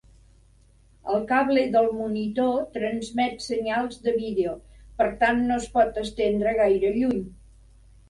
El cable del monitor transmet senyals de vídeo, per tant no es pot estendre gaire lluny.